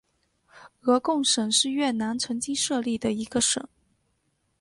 鹅贡省是越南曾经设立的一个省。